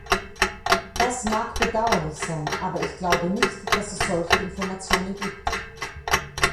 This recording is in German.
Das mag bedauerlich sein, aber ich glaube nicht, dass es solche Informationen gibt.